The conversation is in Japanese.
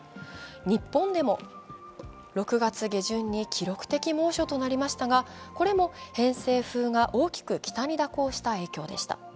日本でも６月下旬に記録的猛暑となりましたがこれも偏西風が大きく北に蛇行した影響でした。